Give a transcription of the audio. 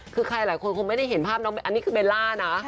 คือใครหลายคนคงไม่ได้เห็นภาพน้องอันนี้คือเบลล่านะ